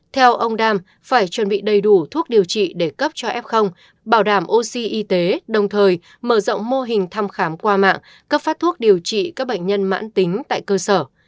theo ông đam phải chuẩn bị đầy đủ thuốc điều trị để cấp cho f bảo đảm oxy y tế đồng thời mở rộng mô hình thăm khám qua mạng cấp phát thuốc điều trị các bệnh nhân mãn tính tại cơ sở